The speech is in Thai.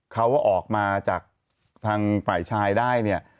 เขาออกมาจากทางฝ่ายชายได้เนี่ย